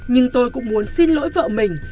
nhưng tôi cũng muốn xin lỗi vợ mình